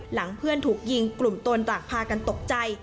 หลังเพื่อนถูกยิงกลุ่มตนต่างพากันตกใจ